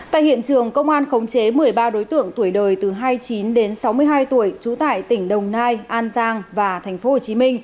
tại hiện trường công an khống chế một mươi ba đối tượng tuổi đời từ hai mươi chín đến sáu mươi hai tuổi trú tại tỉnh đồng nai an giang và tp hcm